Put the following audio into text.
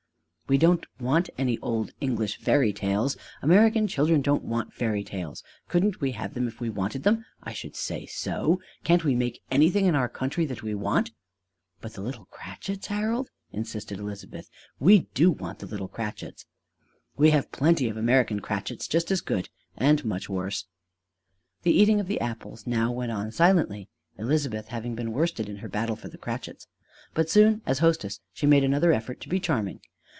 "We don't want any old English fairy tales. American children don't want fairy tales. Couldn't we have them if we wanted them? I should say so. Can't we make anything in our country that we want?" "But the little Cratchits, Harold!" insisted Elizabeth, "we do want the little Cratchits!" "We have plenty of American Cratchits just as good and much worse." The eating of the apples now went on silently, Elizabeth having been worsted in her battle for the Cratchits. But soon as hostess she made another effort to be charming.